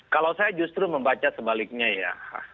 kalau saya justru membaca sebaliknya ya